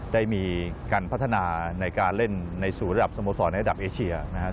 ได้มีการพัฒนาในการเล่นในสูตรระดับสโมสรระดับเอเชีย